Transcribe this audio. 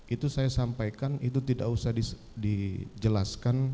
itu saya sampaikan itu tidak usah dijelaskan